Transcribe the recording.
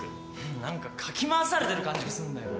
何かかき回されてる感じがすんだよな。